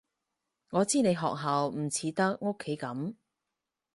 我知你學校唔似得屋企噉